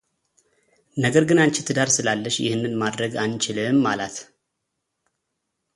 ነገር ግን አንቺ ትዳር ስላለሽ ይህንን ማድረግ አንችልም አላት፡፡